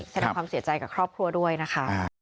แสดงความเสียใจกับครอบครัวด้วยนะคะ